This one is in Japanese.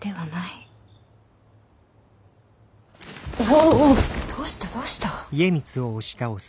おおどうしたどうした。